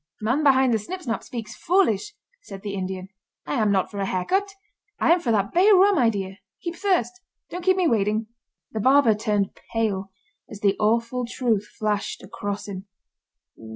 "Man Behind The Snip Snap speaks foolish," said the Indian. "I am not for a hair cut; I am for that bay rum idea. Heap thirst! Don't keep me waiting!" The barber turned pale as the awful truth flashed across him.